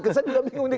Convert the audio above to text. kesannya juga bingung